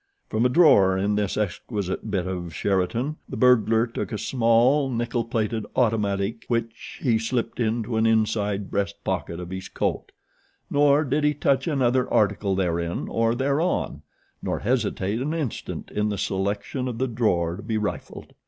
From a drawer in this exquisite bit of Sheraton the burglar took a small, nickel plated automatic, which he slipped into an inside breast pocket of his coat, nor did he touch another article therein or thereon, nor hesitate an instant in the selection of the drawer to be rifled.